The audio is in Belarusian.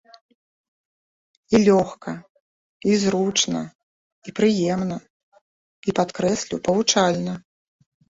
І лёгка, і зручна, і прыемна, і, падкрэслю, павучальна.